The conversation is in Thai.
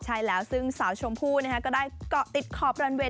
ใช่แล้วซึ่งสาวชมพู่ก็ได้เกาะติดขอบรันเวย